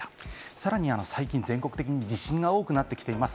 さらに最近、全国的に地震が多くなっています。